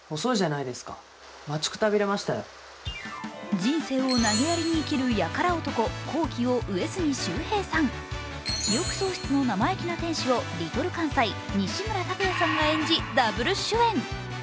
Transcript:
人生を投げやりに生きるヤカラ男・幸紀を上杉柊平さん、記憶喪失の生意気な天使をＬｉｌかんさい・西村拓哉さんが演じダブル主演。